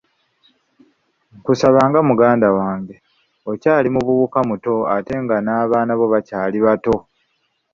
Nkusaba nga muganda wange, okyali muvubuka muto ate nga n'abaana bo bakyali bato.